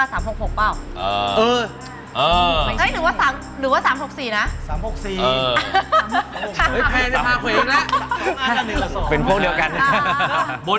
เป็นพวกเดียวกันเลยครับ